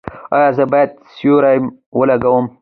ایا زه باید سیروم ولګوم؟